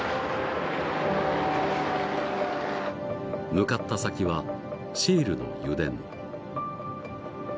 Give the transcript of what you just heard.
向かった先はシェールの油田。